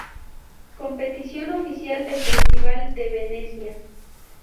Competición Oficial del Festival de Venecia.